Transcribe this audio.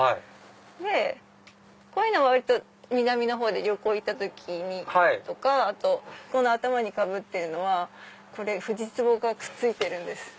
でこういうのは割と南の方旅行行った時にとか。あと頭にかぶってるのはフジツボがくっついてるんです。